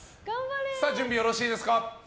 準備よろしいですか。